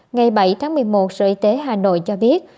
ngày bảy tháng một mươi một sở y tế hà nội cho biết